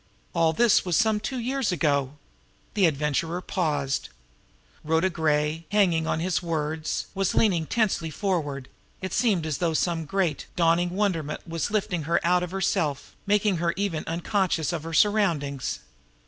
All this was some two years ago." The Adventurer paused. Rhoda Gray, hanging on his words, was leaning tensely forward it seemed as though some great, dawning wonderment was lifting her out of herself, making her even unconscious of her surroundings.